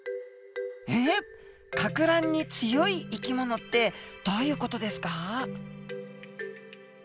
えっかく乱に強い生き物ってどういう事ですか？